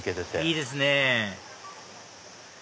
いいですね